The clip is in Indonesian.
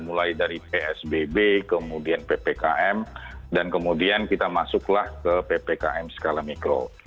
mulai dari psbb kemudian ppkm dan kemudian kita masuklah ke ppkm skala mikro